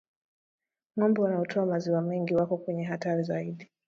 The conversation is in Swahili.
Ng'ombe wanaotoa maziwa mengi wako kwenye hatari zaidi